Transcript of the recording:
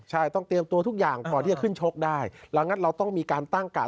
ใช่ต้องเตรียมตัวทุกอย่างก่อนที่จะขึ้นชกได้แล้วงั้นเราต้องมีการตั้งกาด